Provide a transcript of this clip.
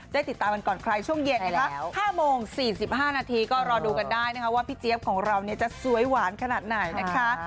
ติดตามกันก่อนใครช่วงเย็นนะคะ๕โมง๔๕นาทีก็รอดูกันได้นะคะว่าพี่เจี๊ยบของเราจะสวยหวานขนาดไหนนะคะ